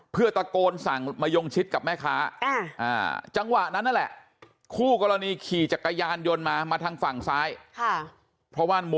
เพื่อตะโกนสั่งมะยงชิดกับแม่ค้า